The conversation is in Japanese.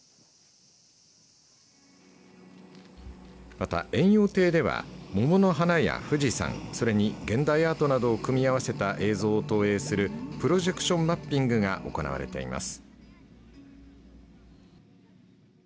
また延養亭では桃の花や富士山、それに現代アートなどを組み合わせた映像を投影するプロジェクションマッピングが行われています。